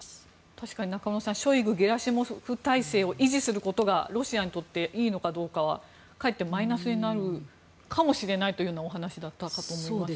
確かに中室さんショイグ・ゲラシモフ体制を維持することがロシアにとっていいのかどうかはかえってマイナスになるかもしれないというお話だったと思いますが。